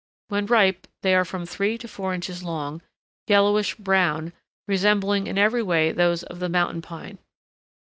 When ripe they are from three to four inches long, yellowish brown, resembling in every way those of the Mountain Pine.